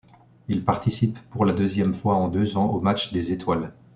Il participe pour la deuxième fois en deux ans au match des étoiles.